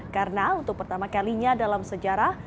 karena untuk pertama kalinya dalam sejarah